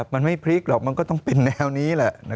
มันไม่พลิกหรอกมันก็ต้องเป็นแนวนี้แหละ